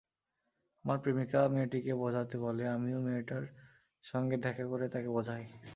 আমার প্রেমিকা মেয়েটিকে বোঝাতে বলে, আমিও মেয়েটার সঙ্গে দেখা করে তাকে বোঝাই।